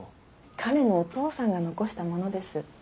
彼のお父さんが残したものです。